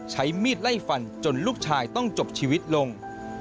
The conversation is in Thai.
ใช้มีดไล่ฟันจนลูกชายต้องจบชีวิตลง